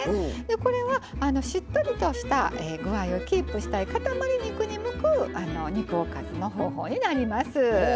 これはしっとりとした具合をキープしたい、塊肉に向く肉おかずの方法になります。